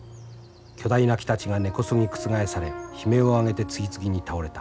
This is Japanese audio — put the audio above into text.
巨大な木たちが根こそぎ覆され悲鳴を上げて次々に倒れた。